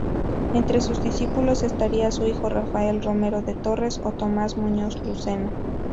Entre sus discípulos estaría su hijo Rafael Romero de Torres o Tomás Muñoz Lucena.